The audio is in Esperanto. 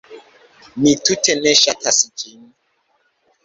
Mi tute ne ŝatas ĝin.